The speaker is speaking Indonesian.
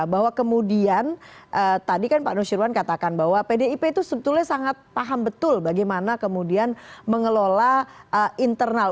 bahwa kemudian tadi kan pak nusirwan katakan bahwa pdip itu sebetulnya sangat paham betul bagaimana kemudian mengelola internal